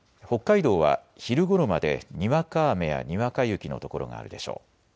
北海道は昼ごろまで、にわか雨やにわか雪の所があるでしょう。